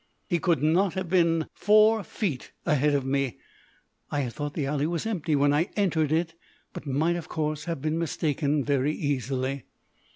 He could not have been four feet ahead of me. I had thought the alley was empty when I entered it, but might of course have been mistaken very easily.